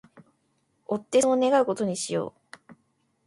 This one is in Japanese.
追ってそう願う事にしよう